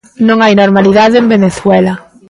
Non hai normalidade en Venezuela.